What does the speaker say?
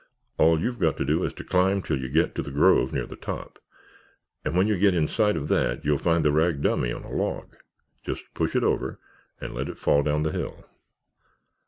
All you've got to do is to climb till you get to the grove near the top and when you get inside of that you'll find the rag dummy on a log. Just push it over and let it fall down the hill.